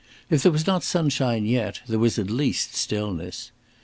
If there was not sunshine yet, there was at least stillness.